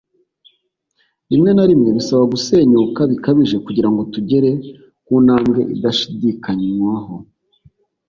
rimwe na rimwe, bisaba gusenyuka bikabije kugira ngo tugere ku ntambwe idashidikanywaho